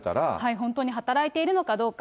本当に働いているのかどうか。